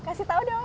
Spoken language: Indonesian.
kasih tau dong